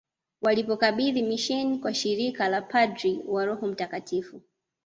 Walipokabidhi misheni kwa shirika la mapadri wa Roho mtakatifu